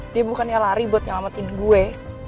dia bukannya lari buat nyelamatin gue